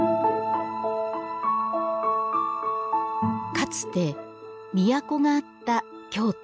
かつて都があった京都。